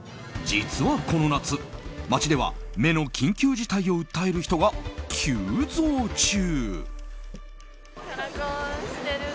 実は、この夏、街では目の緊急事態を訴える人が急増中。